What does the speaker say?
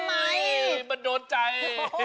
เว๊ยมันโดนใจ